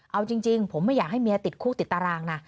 เอาจริงผมไม่อยากให้เมียติดคู่ติดตารางนะ